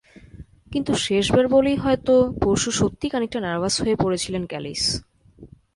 কিন্তু শেষবার বলেই হয়তো পরশু সত্যি খানিকটা নার্ভাস হয়ে পড়েছিলেন ক্যালিস।